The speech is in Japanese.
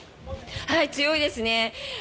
強いですね。